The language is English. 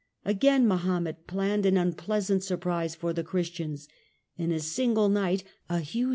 Again Mahomet planned an unpleasant sur The prise for the Christians. In a single night a huge ba°st?